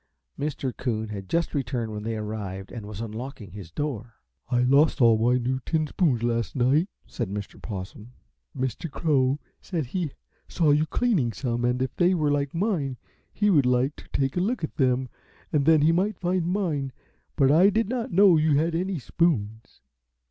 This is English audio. Mr. Coon had just returned when they arrived and was unlocking his door. "I lost all my new tin spoons last night," said Mr. Possum. "Mr. Crow said he saw you cleaning some, and if they were like mine he would like to take a look at them and then he might find mine; but I did not know you had any spoons."